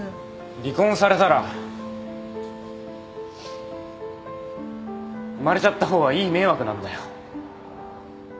離婚されたら生まれちゃった方はいい迷惑なんだよ。